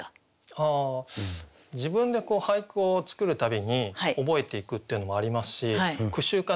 あ自分で俳句を作る度に覚えていくっていうのもありますし句集か